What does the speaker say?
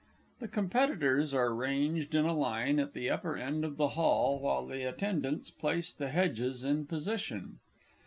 The Competitors are ranged in a line at the upper end of the Hall while the attendants place the hedges in position.